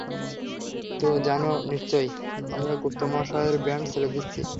তো জানো নিশ্চয়ই, আমরা গুপ্তামশাইয়ের ব্যান্ড ছেড়ে দিচ্ছি।